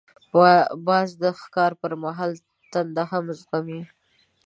باز د ښکار پر مهال تنده هم زغمي